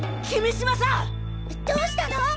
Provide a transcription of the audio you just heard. どうしたの！？